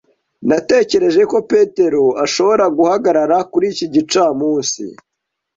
Natekereje ko Petero ashobora guhagarara kuri iki gicamunsi.